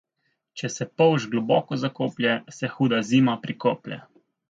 Če se polž globoko zakoplje, se huda zima prikoplje.